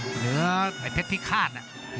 เหลือไอ้เพชรพิฆาต